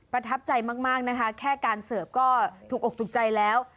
ประทับใจมากนะคะแค่การเสิร์ฟก็ถูกอกถูกใจแล้ว